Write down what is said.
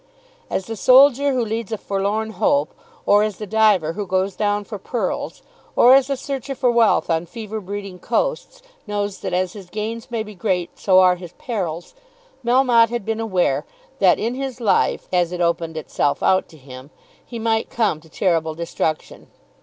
As the soldier who leads a forlorn hope, or as the diver who goes down for pearls, or as the searcher for wealth on fever breeding coasts, knows that as his gains may be great, so are his perils, Melmotte had been aware that in his life, as it opened itself out to him, he might come to terrible destruction.